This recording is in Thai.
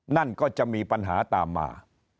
นั่นก็จะมีปัญหาตามมา